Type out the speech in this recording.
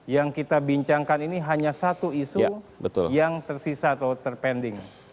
yang kita bincangkan ini hanya satu isu yang tersisa atau terpending